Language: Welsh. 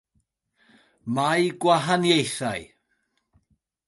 Mae gwahaniaethau.